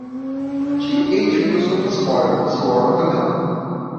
G. H. Wilson, Esquire, is lord of the manor.